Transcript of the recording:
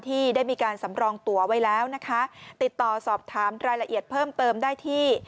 ที่ได้มีการสำรองตัวไว้แล้วนะคะติดต่อสอบถามรายละเอียดเพิ่มเติมได้ที่